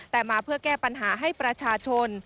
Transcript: แต่มาเพื่อแก้ปัญหาให้ประชาชน